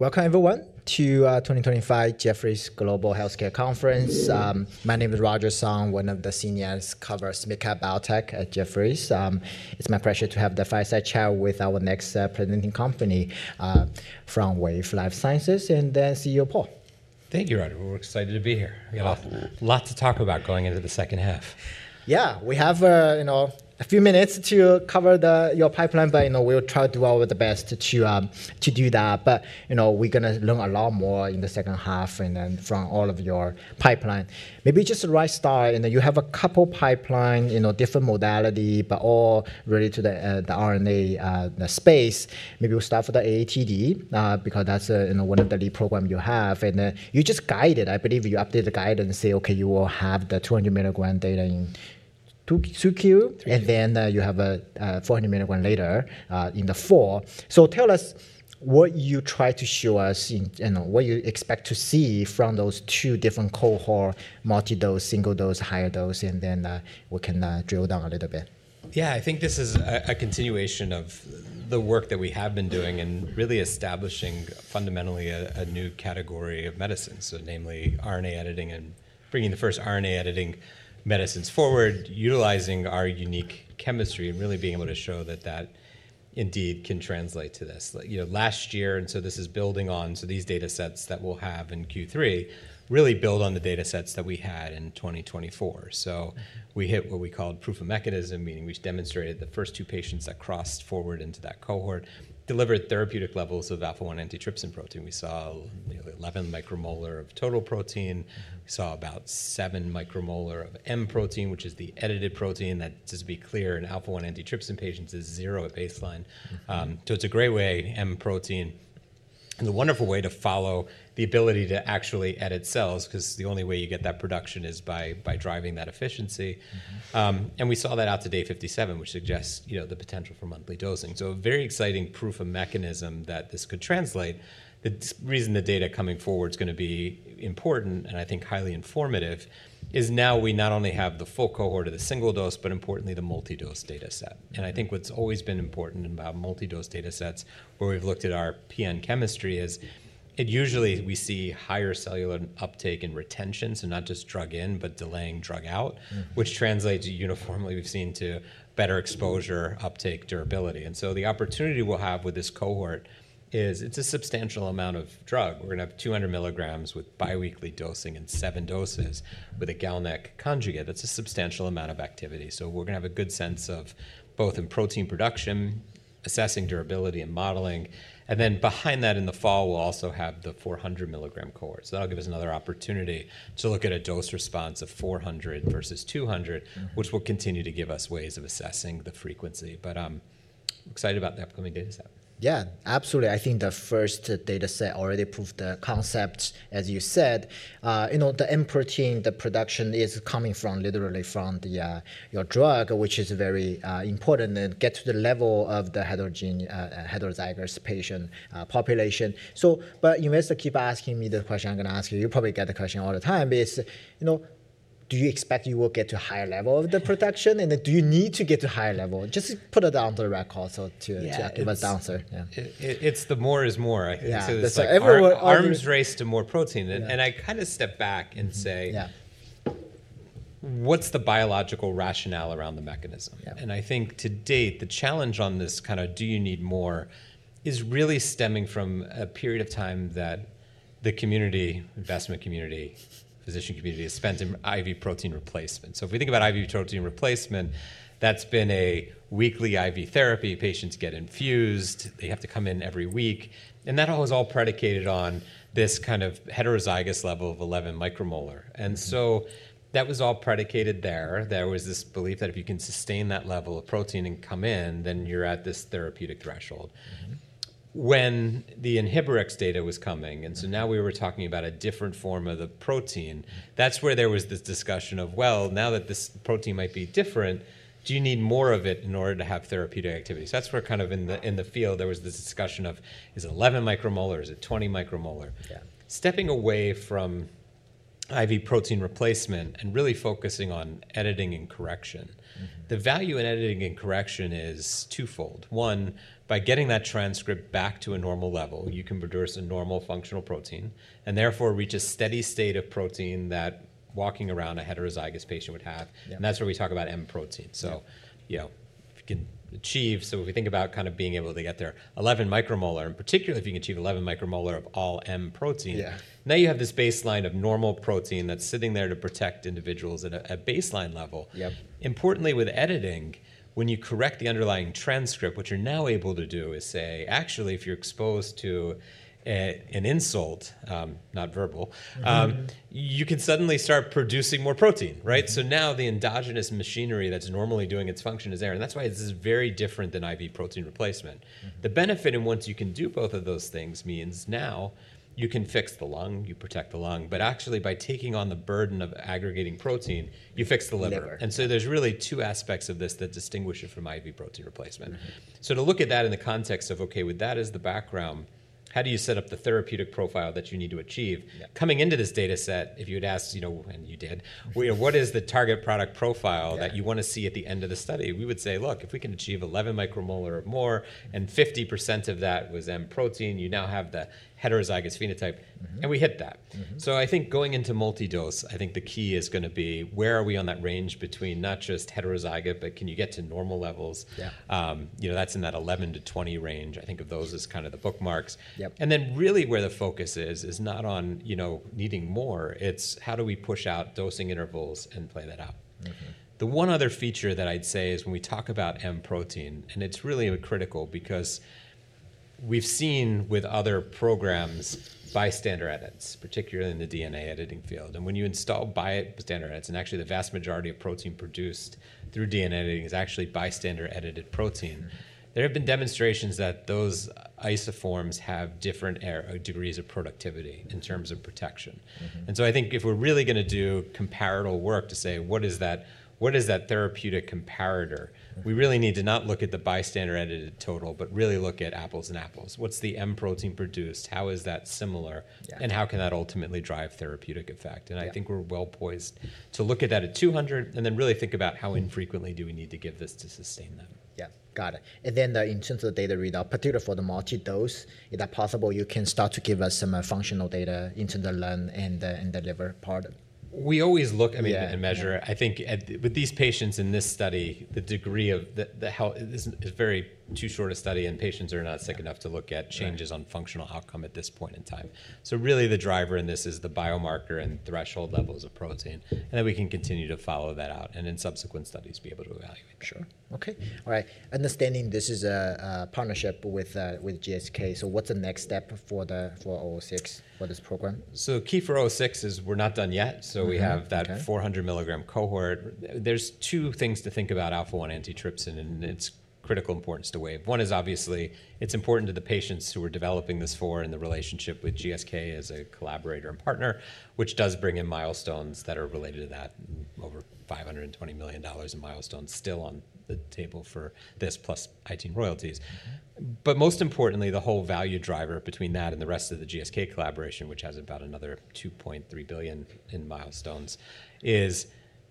Welcome, everyone, to 2025 Jefferies Global Healthcare Conference. My name is Roger Song, one of the senior coverage mid-cap biotech at Jefferies. It's my pleasure to have the fireside chat with our next presenting company from Wave Life Sciences and then CEO Paul. Thank you, Roger. We're excited to be here. We have a lot to talk about going into the second half. Yeah, we have a few minutes to cover your pipeline, but we'll try to do our best to do that. We're going to learn a lot more in the second half and then from all of your pipeline. Maybe just a right start, and then you have a couple of pipelines, different modalities, but all related to the RNA space. Maybe we'll start with the AATD because that's one of the lead programs you have. You just guided, I believe you update the guidance and say, "Okay, you will have the 200 mg data in subcu, and then you have a 400 mg later in the four." Tell us what you try to show us, what you expect to see from those two different cohorts: multi-dose, single dose, higher dose, and then we can drill down a little bit. Yeah, I think this is a continuation of the work that we have been doing and really establishing fundamentally a new category of medicines, namely RNA editing and bringing the first RNA editing medicines forward, utilizing our unique chemistry and really being able to show that that indeed can translate to this. Last year, and this is building on these data sets that we'll have in Q3, really build on the data sets that we had in 2024. We hit what we called proof of mechanism, meaning we demonstrated the first two patients that crossed forward into that cohort, delivered therapeutic levels of alpha-1 antitrypsin protein. We saw nearly 11 micromolar of total protein. We saw about 7 micromolar of M protein, which is the edited protein. That's just to be clear, in alpha-1 antitrypsin patients, it's zero at baseline. It's a great way, M protein, and a wonderful way to follow the ability to actually edit cells because the only way you get that production is by driving that efficiency. We saw that out to day 57, which suggests the potential for monthly dosing. A very exciting proof of mechanism that this could translate. The reason the data coming forward is going to be important and I think highly informative is now we not only have the full cohort of the single dose, but importantly, the multi-dose data set. I think what's always been important about multi-dose data sets where we've looked at our PN chemistry is usually we see higher cellular uptake and retention, so not just drug in, but delaying drug out, which translates uniformly we've seen to better exposure uptake durability. The opportunity we'll have with this cohort is it's a substantial amount of drug. We're going to have 200 mg with biweekly dosing and seven doses with a GalNAc conjugate. That's a substantial amount of activity. We're going to have a good sense of both in protein production, assessing durability and modeling. Behind that in the fall, we'll also have the 400 mg cohort. That'll give us another opportunity to look at a dose response of 400 versus 200, which will continue to give us ways of assessing the frequency. I'm excited about the upcoming data set. Yeah, absolutely. I think the first data set already proved the concept, as you said. The M protein, the production is coming literally from your drug, which is very important and gets to the level of the heterozygous patient population. You may still keep asking me the question I am going to ask you. You probably get the question all the time. Do you expect you will get to a higher level of the production? Do you need to get to a higher level? Just put it down to the record so I can give a downside. It's the more is more. It's like arms race to more protein. I kind of step back and say, what's the biological rationale around the mechanism? I think to date, the challenge on this kind of do you need more is really stemming from a period of time that the community, investment community, physician community has spent in IV protein replacement. If we think about IV protein replacement, that's been a weekly IV therapy. Patients get infused. They have to come in every week. That was all predicated on this kind of heterozygous level of 11 micromolar. That was all predicated there. There was this belief that if you can sustain that level of protein and come in, then you're at this therapeutic threshold. When the inhibitor X data was coming, and so now we were talking about a different form of the protein, that's where there was this discussion of, well, now that this protein might be different, do you need more of it in order to have therapeutic activity? That's where kind of in the field there was this discussion of, is it 11 micromolar? Is it 20 micromolar? Stepping away from IV protein replacement and really focusing on editing and correction, the value in editing and correction is twofold. One, by getting that transcript back to a normal level, you can produce a normal functional protein and therefore reach a steady state of protein that walking around a heterozygous patient would have. That's where we talk about M protein. If you can achieve, if we think about kind of being able to get there, 11 micromolar, and particularly if you can achieve 11 micromolar of all M protein, now you have this baseline of normal protein that's sitting there to protect individuals at a baseline level. Importantly, with editing, when you correct the underlying transcript, what you're now able to do is say, actually, if you're exposed to an insult, not verbal, you can suddenly start producing more protein, right? Now the endogenous machinery that's normally doing its function is there. That is why this is very different than IV protein replacement. The benefit in once you can do both of those things means now you can fix the lung, you protect the lung, but actually by taking on the burden of aggregating protein, you fix the liver. There are really two aspects of this that distinguish it from IV protein replacement. To look at that in the context of, okay, with that as the background, how do you set up the therapeutic profile that you need to achieve? Coming into this data set, if you had asked, and you did, what is the target product profile that you want to see at the end of the study? We would say, look, if we can achieve 11 micromolar or more and 50% of that was M protein, you now have the heterozygous phenotype, and we hit that. I think going into multi-dose, the key is going to be where are we on that range between not just heterozygous, but can you get to normal levels? That is in that 11-20 range. I think of those as kind of the bookmarks. Really where the focus is, is not on needing more, it's how do we push out dosing intervals and play that out. The one other feature that I'd say is when we talk about M protein, and it's really critical because we've seen with other programs bystander edits, particularly in the DNA editing field. When you install bystander edits, and actually the vast majority of protein produced through DNA editing is actually bystander edited protein, there have been demonstrations that those isoforms have different degrees of productivity in terms of protection. I think if we're really going to do comparable work to say, what is that therapeutic comparator, we really need to not look at the bystander edited total, but really look at apples and apples. What's the M protein produced? How is that similar? How can that ultimately drive therapeutic effect? I think we're well poised to look at that at 200 and then really think about how infrequently do we need to give this to sustain that. Yeah, got it. In terms of the data readout, particularly for the multi-dose, is it possible you can start to give us some functional data into the lung and the liver part? We always look and measure. I think with these patients in this study, the degree of the health is very, too short a study, and patients are not sick enough to look at changes on functional outcome at this point in time. Really the driver in this is the biomarker and threshold levels of protein, and then we can continue to follow that out and in subsequent studies be able to evaluate. Sure. Okay. All right. Understanding this is a partnership with GSK. So what's the next step for 06 for this program? Key for 06 is we're not done yet. We have that 400 mg cohort. There are two things to think about: alpha-1 antitrypsin and its critical importance to Wave. One is obviously it's important to the patients who we are developing this for and the relationship with GSK as a collaborator and partner, which does bring in milestones that are related to that, over $520 million in milestones still on the table for this plus IT royalties. Most importantly, the whole value driver between that and the rest of the GSK collaboration, which has about another $2.3 billion in milestones, is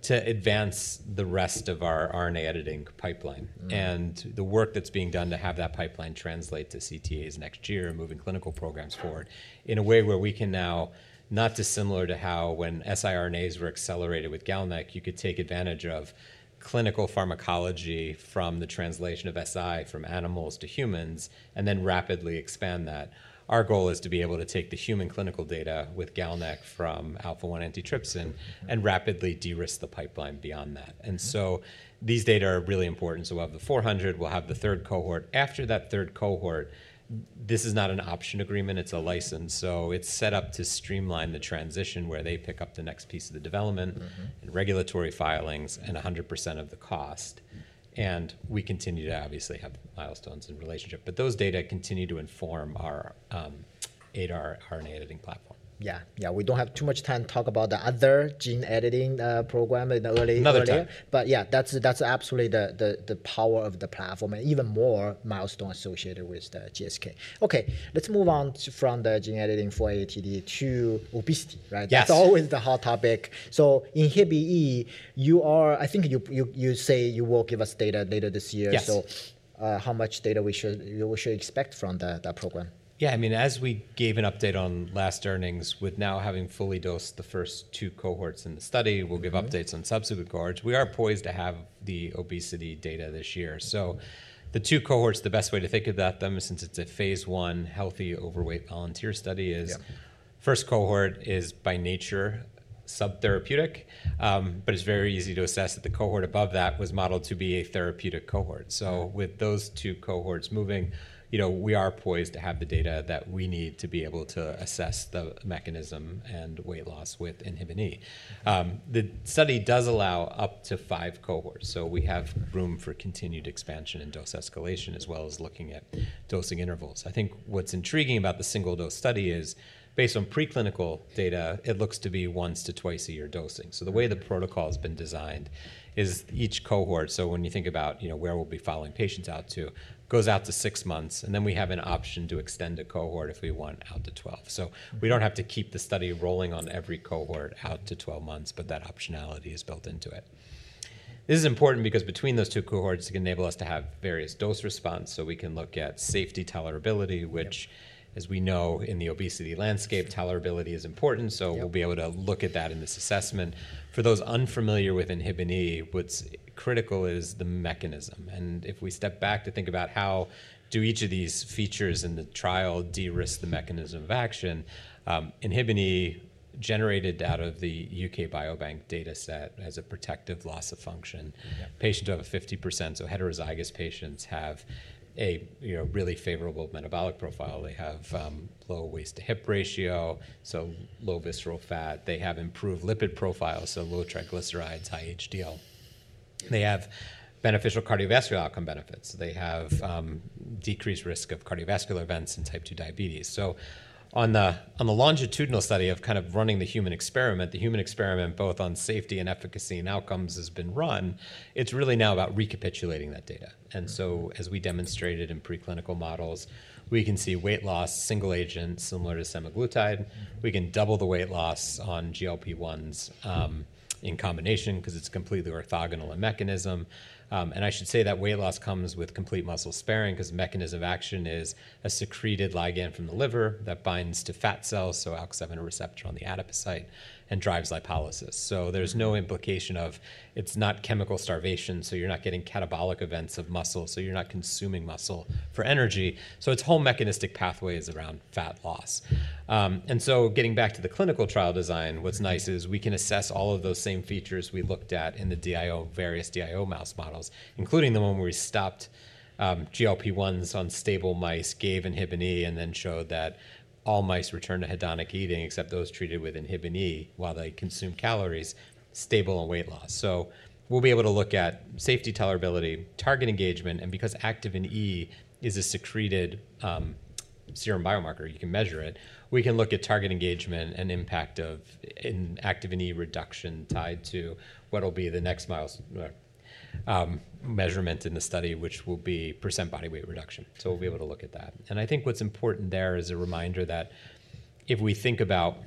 to advance the rest of our RNA editing pipeline and the work that is being done to have that pipeline translate to CTAs next year, moving clinical programs forward in a way where we can now, not dissimilar to how when siRNAs were accelerated with GalNAc, you could take advantage of clinical pharmacology from the translation of si from animals to humans and then rapidly expand that. Our goal is to be able to take the human clinical data with GalNAc from alpha-1 antitrypsin and rapidly de-risk the pipeline beyond that. These data are really important. We will have the 400, we will have the third cohort. After that third cohort, this is not an option agreement, it is a license. It's set up to streamline the transition where they pick up the next piece of the development and regulatory filings and 100% of the cost. We continue to obviously have milestones in relationship, but those data continue to inform our ADAR RNA editing platform. Yeah. Yeah. We don't have too much time to talk about the other gene editing program in the early. Another data. Yeah, that's absolutely the power of the platform and even more milestones associated with GSK. Okay. Let's move on from the gene editing for AATD to obesity, right? That's always the hot topic. Inhibit-E, you are, I think you say you will give us data later this year. How much data should we expect from that program? Yeah. I mean, as we gave an update on last earnings with now having fully dosed the first two cohorts in the study, we'll give updates on subsequent cohorts. We are poised to have the obesity data this year. The two cohorts, the best way to think of that, since it's a phase one healthy overweight volunteer study, is first cohort is by nature subtherapeutic, but it's very easy to assess that the cohort above that was modeled to be a therapeutic cohort. With those two cohorts moving, we are poised to have the data that we need to be able to assess the mechanism and weight loss with Inhibit-E. The study does allow up to five cohorts. We have room for continued expansion and dose escalation as well as looking at dosing intervals. I think what's intriguing about the single dose study is based on preclinical data, it looks to be once to twice a year dosing. The way the protocol has been designed is each cohort. When you think about where we'll be following patients out to, it goes out to six months, and then we have an option to extend a cohort if we want out to 12. We don't have to keep the study rolling on every cohort out to 12 months, but that optionality is built into it. This is important because between those two cohorts, it can enable us to have various dose response. We can look at safety tolerability, which, as we know in the obesity landscape, tolerability is important. We'll be able to look at that in this assessment. For those unfamiliar with Inhibit-E, what's critical is the mechanism. If we step back to think about how do each of these features in the trial de-risk the mechanism of action, Inhibit-E generated out of the U.K. Biobank data set as a protective loss of function. Patients who have a 50%, so heterozygous patients have a really favorable metabolic profile. They have low waist to hip ratio, so low visceral fat. They have improved lipid profiles, so low triglycerides, high HDL. They have beneficial cardiovascular outcome benefits. They have decreased risk of cardiovascular events and type 2 diabetes. On the longitudinal study of kind of running the human experiment, the human experiment both on safety and efficacy and outcomes has been run. It is really now about recapitulating that data. As we demonstrated in preclinical models, we can see weight loss, single agent similar to semaglutide. We can double the weight loss on GLP-1s in combination because it's completely orthogonal in mechanism. I should say that weight loss comes with complete muscle sparing because the mechanism of action is a secreted ligand from the liver that binds to fat cells, so alpha-7 receptor on the adipocyte and drives lipolysis. There's no implication of it's not chemical starvation, so you're not getting catabolic events of muscle, so you're not consuming muscle for energy. Its whole mechanistic pathway is around fat loss. Getting back to the clinical trial design, what's nice is we can assess all of those same features we looked at in the various DIO mouse models, including the one where we stopped GLP-1s on stable mice, gave Inhibit-E, and then showed that all mice returned to hedonic eating except those treated with Inhibit-E while they consumed calories, stable on weight loss. We will be able to look at safety, tolerability, target engagement, and because activin E is a secreted serum biomarker, you can measure it, we can look at target engagement and impact of activin E reduction tied to what will be the next milestone measurement in the study, which will be percent body weight reduction. We will be able to look at that. I think what's important there is a reminder that if we think about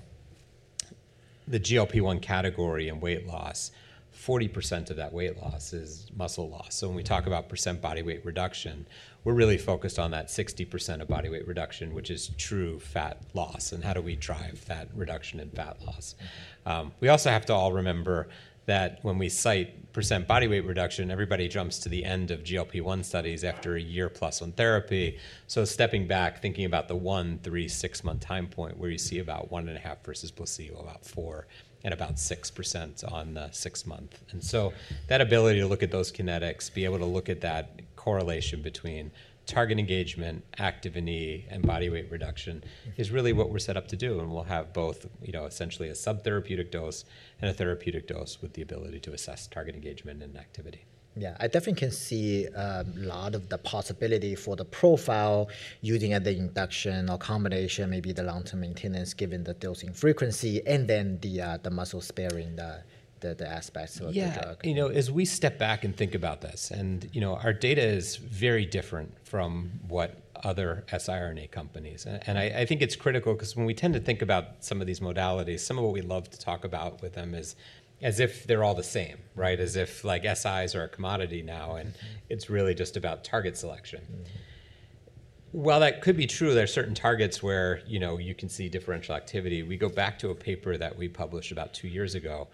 the GLP-1 category and weight loss, 40% of that weight loss is muscle loss. When we talk about percent body weight reduction, we're really focused on that 60% of body weight reduction, which is true fat loss and how do we drive fat reduction and fat loss. We also have to all remember that when we cite percent body weight reduction, everybody jumps to the end of GLP-1 studies after a year plus on therapy. Stepping back, thinking about the one, three, six-month time point where you see about one and a half versus placebo, about 4% and about 6% on the six-month. That ability to look at those kinetics, be able to look at that correlation between target engagement, activin E, and body weight reduction is really what we're set up to do. We'll have both essentially a subtherapeutic dose and a therapeutic dose with the ability to assess target engagement and activity. Yeah. I definitely can see a lot of the possibility for the profile using the induction or combination, maybe the long-term maintenance given the dosing frequency and then the muscle sparing aspects. Yeah. As we step back and think about this, and our data is very different from what other siRNA companies. I think it's critical because when we tend to think about some of these modalities, some of what we love to talk about with them is as if they're all the same, right? As if siRNAs are a commodity now and it's really just about target selection. While that could be true, there are certain targets where you can see differential activity. We go back to a paper that we published about two years ago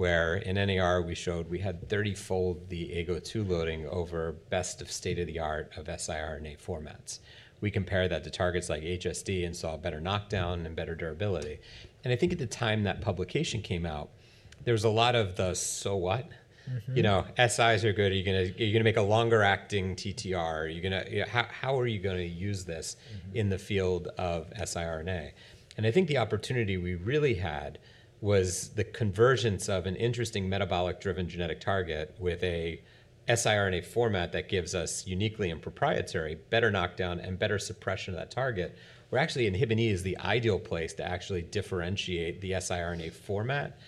where in NAR we showed we had 30-fold the AGO2 loading over best of state of the art of siRNA formats. We compare that to targets like HSD and saw better knockdown and better durability. I think at the time that publication came out, there was a lot of the so what? SIs are good. You're going to make a longer acting TTR. How are you going to use this in the field of siRNA? I think the opportunity we really had was the convergence of an interesting metabolic-driven genetic target with a siRNA format that gives us uniquely and proprietary better knockdown and better suppression of that target. Where actually Inhibit-E is the ideal place to actually differentiate the siRNA format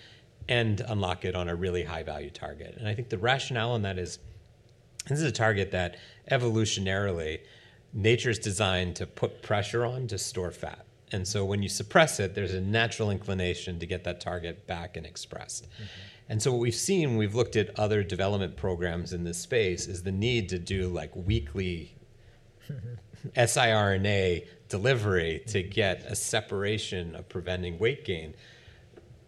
and unlock it on a really high-value target. I think the rationale on that is this is a target that evolutionarily nature is designed to put pressure on to store fat. When you suppress it, there's a natural inclination to get that target back and expressed. What we've seen, we've looked at other development programs in this space, is the need to do weekly siRNA delivery to get a separation of preventing weight gain.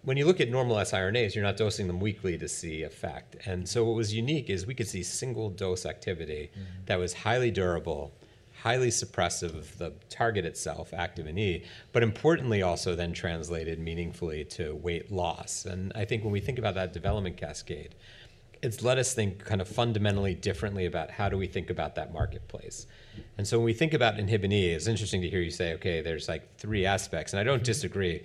When you look at normal siRNAs, you're not dosing them weekly to see effect. What was unique is we could see single dose activity that was highly durable, highly suppressive of the target itself, activin E, but importantly also then translated meaningfully to weight loss. I think when we think about that development cascade, it's let us think kind of fundamentally differently about how do we think about that marketplace. When we think about Inhibit-E, it's interesting to hear you say, okay, there's like three aspects. I don't disagree.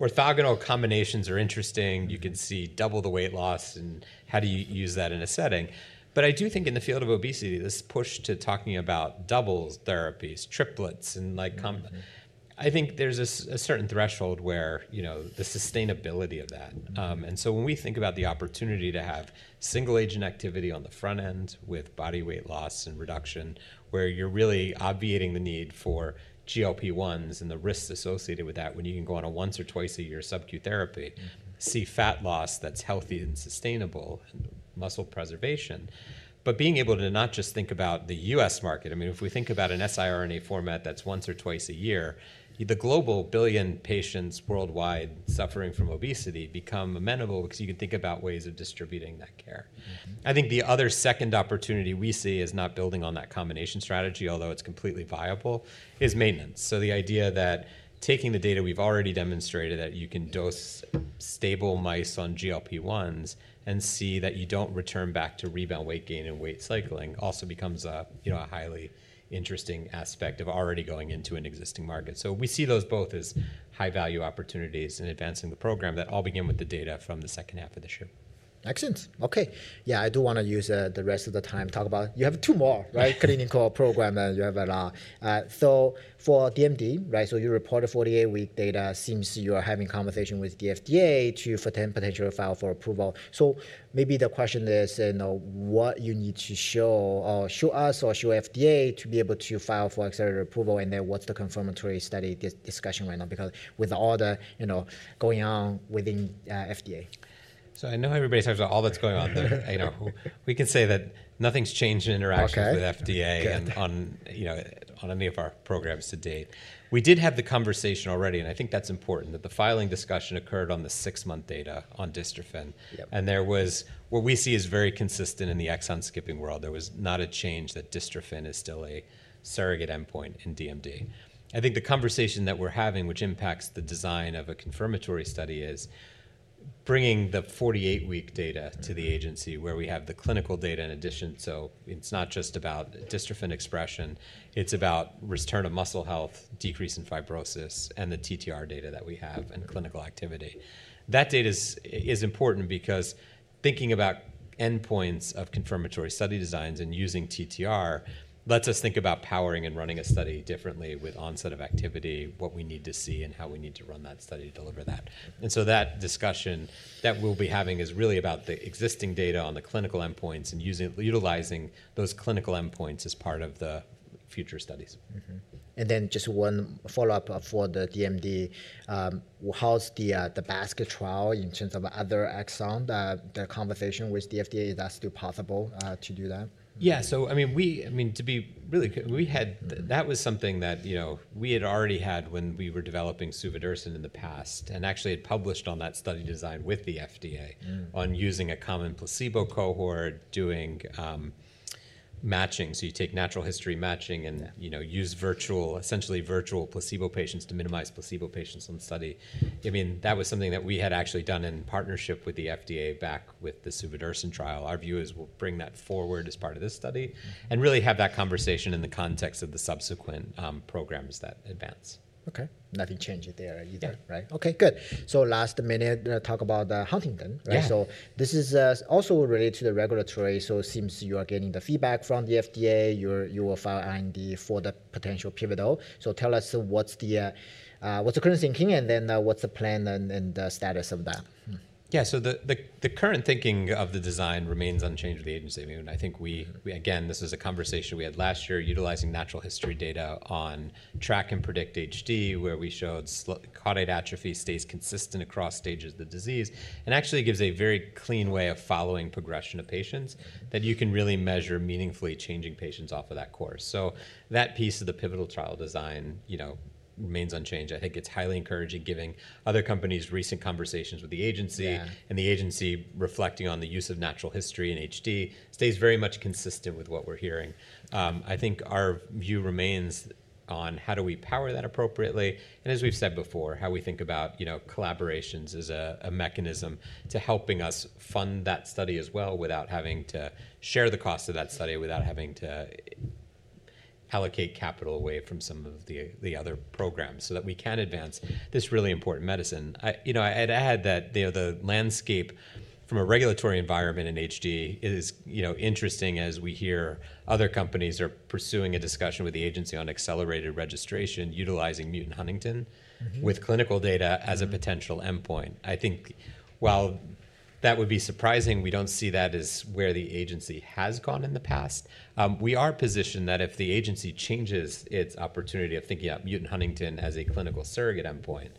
Orthogonal combinations are interesting. You can see double the weight loss and how do you use that in a setting. I do think in the field of obesity, this push to talking about double therapies, triplets, and I think there's a certain threshold where the sustainability of that. When we think about the opportunity to have single agent activity on the front end with body weight loss and reduction where you're really obviating the need for GLP-1s and the risks associated with that when you can go on a once or twice a year subcutaneous therapy, see fat loss that's healthy and sustainable and muscle preservation. Being able to not just think about the U.S. market, I mean, if we think about an siRNA format that's once or twice a year, the global billion patients worldwide suffering from obesity become amenable because you can think about ways of distributing that care. I think the other second opportunity we see is not building on that combination strategy, although it's completely viable, is maintenance. The idea that taking the data we've already demonstrated that you can dose stable mice on GLP-1s and see that you don't return back to rebound weight gain and weight cycling also becomes a highly interesting aspect of already going into an existing market. We see those both as high-value opportunities in advancing the program that all begin with the data from the second half of this year. Excellent. Okay. Yeah. I do want to use the rest of the time to talk about you have two more, right? Clinical program that you have a lot. For DMD, right? You reported 48-week data, seems you are having conversation with the FDA to potentially file for approval. Maybe the question is what you need to show us or show FDA to be able to file for accelerated approval and then what's the confirmatory study discussion right now because with all the going on within FDA? I know everybody talks about all that's going on there. We can say that nothing's changed in interactions with FDA on any of our programs to date. We did have the conversation already, and I think that's important that the filing discussion occurred on the six-month data on Dystrophin. There was what we see is very consistent in the exon skipping world. There was not a change that Dystropin is still a surrogate endpoint in DMD. I think the conversation that we're having, which impacts the design of a confirmatory study, is bringing the 48-week data to the agency where we have the clinical data in addition. It's not just about Dystropin expression. It's about return of muscle health, decrease in fibrosis, and the TTR data that we have and clinical activity. That data is important because thinking about endpoints of confirmatory study designs and using TTR lets us think about powering and running a study differently with onset of activity, what we need to see, and how we need to run that study to deliver that. That discussion that we'll be having is really about the existing data on the clinical endpoints and utilizing those clinical endpoints as part of the future studies. Just one follow-up for the DMD. How's the Basque trial in terms of other exons? The conversation with the FDA, is that still possible to do that? Yeah. So I mean, to be really clear, that was something that we had already had when we were developing Suvodirsen in the past and actually had published on that study design with the FDA on using a common placebo cohort, doing matching. So you take natural history matching and use essentially virtual placebo patients to minimize placebo patients on the study. I mean, that was something that we had actually done in partnership with the FDA back with the Suvodirsen trial. Our view is we'll bring that forward as part of this study and really have that conversation in the context of the subsequent programs that advance. Okay. Nothing changed there either, right? Okay. Good. Last minute, talk about the Huntington, right? This is also related to the regulatory. It seems you are getting the feedback from the FDA. You will file an IND for the potential pivotal. Tell us what's the current thinking and then what's the plan and status of that? Yeah. The current thinking of the design remains unchanged at the agency. I mean, I think we, again, this is a conversation we had last year utilizing natural history data on Track and Predict-HD where we showed caudate atrophy stays consistent across stages of the disease and actually gives a very clean way of following progression of patients that you can really measure meaningfully changing patients off of that course. That piece of the pivotal trial design remains unchanged. I think it's highly encouraging given other companies' recent conversations with the agency and the agency reflecting on the use of natural history in HD stays very much consistent with what we're hearing. I think our view remains on how do we power that appropriately. As we've said before, how we think about collaborations as a mechanism to helping us fund that study as well without having to share the cost of that study, without having to allocate capital away from some of the other programs so that we can advance this really important medicine. I'd add that the landscape from a regulatory environment in HD is interesting as we hear other companies are pursuing a discussion with the agency on accelerated registration utilizing mutant huntingtin with clinical data as a potential endpoint. I think while that would be surprising, we don't see that as where the agency has gone in the past. We are positioned that if the agency changes its opportunity of thinking about mutant huntingtin as a clinical surrogate endpoint,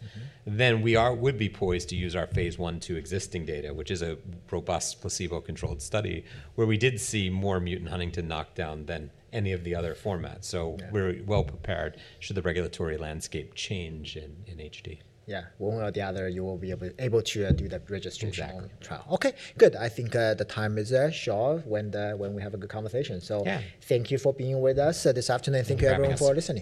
then we would be poised to use our phase one to existing data, which is a robust placebo-controlled study where we did see more mutant huntingtin knockdown than any of the other formats. We are well prepared should the regulatory landscape change in HD. Yeah. One way or the other, you will be able to do that registration trial. Okay. Good. I think the time is short when we have a good conversation. So thank you for being with us this afternoon. Thank you, everyone, for listening.